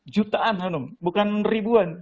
jutaan hanum bukan ribuan